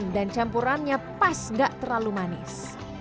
dan campurannya pas nggak terlalu manis